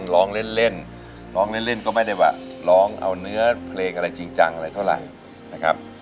ร้องเล่นร้องเล่นก็ไม่ได้ว่าร้องเอาเนื้อเพลงอะไรจริงจังอะไรเท่าไหร่นะครับ